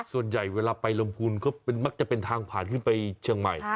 ส่วนใหญ่เวลาไปลำพูนก็มักจะเป็นทางผ่านขึ้นไปเชียงใหม่